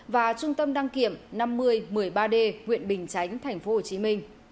và trung tâm đăng kiểm năm nghìn một mươi ba d nguyện bình chánh tp hcm